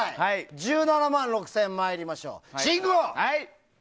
１７万６０００円、参りましょう。